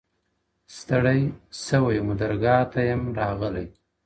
ستړې سوې مو درګاه ته یم راغلې،